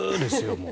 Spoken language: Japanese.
もう。